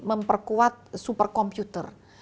memperkuat super komputer